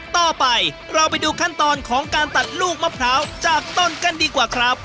ต่อไปเราไปดูขั้นตอนของการตัดลูกมะพร้าวจากต้นกันดีกว่าครับ